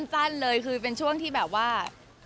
สั้นเลยคือเป็นช่วงที่แบบว่า